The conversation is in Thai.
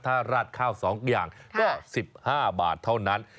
ถ้าราดข้าว๒อย่างก็๑๕บาทเท่านั้น